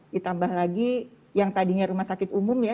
ditambah lagi yang tadinya rumah sakit umum ya